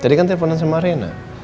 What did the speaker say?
tadi kan telfonan sama rena